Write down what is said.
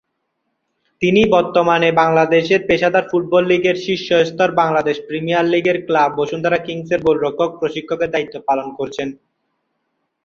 তিনি বর্তমানে বাংলাদেশের পেশাদার ফুটবল লীগের শীর্ষ স্তর বাংলাদেশ প্রিমিয়ার লীগের ক্লাব বসুন্ধরা কিংসের গোলরক্ষক প্রশিক্ষকের দায়িত্ব পালন করছেন।